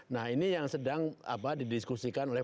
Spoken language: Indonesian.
nah ini yang sedang didiskusikan oleh